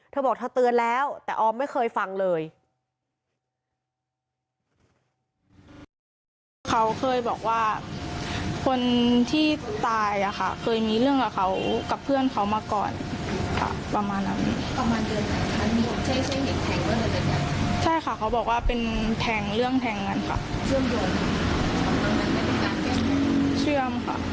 เธอบอกเธอเตือนแล้วแต่ออมไม่เคยฟังเลย